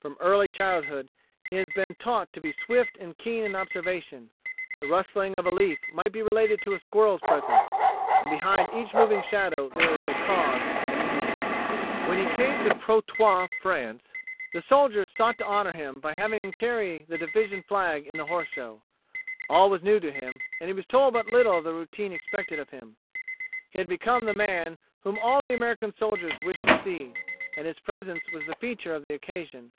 From early childhood he had been taught to be swift and keen in observation the rustling of a leaf might be related to a squirrel's presence, and behind each moving shadow there is a cause and a meaning. When he came to Prauthoy, France, the soldiers sought to honor him by having him carry the Division flag in the horse show. All was new to him and he was told but little of the routine expected of him. He had become the man whom all the American soldiers wished to see, and his presence was the feature of the occasion.